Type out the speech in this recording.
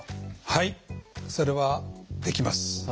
はいそれはできます。